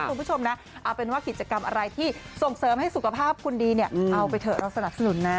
คุณผู้ชมนะเอาเป็นว่ากิจกรรมอะไรที่ส่งเสริมให้สุขภาพคุณดีเนี่ยเอาไปเถอะเราสนับสนุนนะ